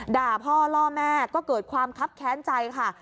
ด่าพ่อล่อแม่ก็เกิดความคับแค้นใจค่ะ